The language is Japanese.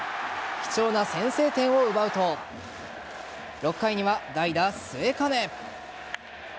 貴重な先制点を奪うと６回には代打・末包。